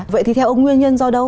vậy thì theo ông nguyên nhân do đâu